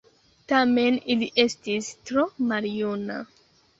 Tamen li estis tro maljuna.